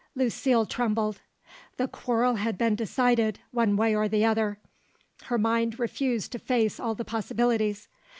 Lucile trembled. The quarrel had been decided, one way or the other. Her mind refused to face all the possibilities.